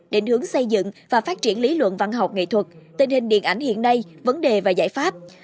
định hướng xây dựng và phát triển lý luận văn học nghệ thuật tình hình điện ảnh hiện nay vấn đề và giải pháp